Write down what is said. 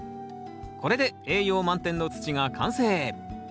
これで栄養満点の土が完成。